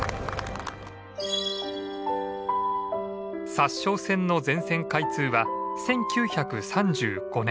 札沼線の全線開通は１９３５年。